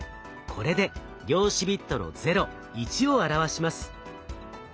これで量子ビットの「０」「１」を表します。